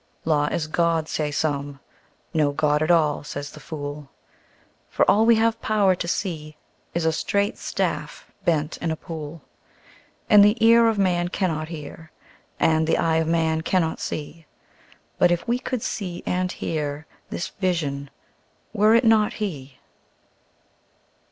Law is God, say some: no God at all, says the fool; For all we have power to see is a straight staff bent in a pool; And the ear of man cannot hear, and the eye of man cannot see; But if we could see and hear, this Vision—were it not He?